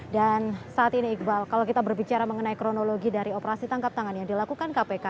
dan saat ini iqbal kalau kita berbicara mengenai kronologi dari operasi tangkap tangan yang dilakukan kpk